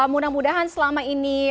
mudah mudahan selama ini